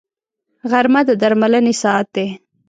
غرمه د درملنې ساعت دی